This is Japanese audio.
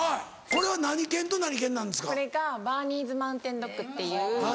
これがバーニーズ・マウンテン・ドッグっていう。